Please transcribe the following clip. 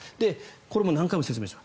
これも何回も説明した。